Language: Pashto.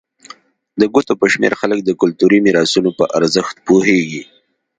د ګوتو په شمېر خلک د کلتوري میراثونو په ارزښت پوهېږي.